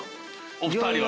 お二人は。